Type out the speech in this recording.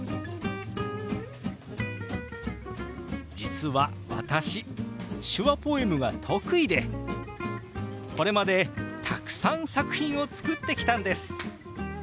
実は私手話ポエムが得意でこれまでたくさん作品を作ってきたんです。